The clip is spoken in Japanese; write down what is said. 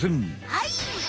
はい。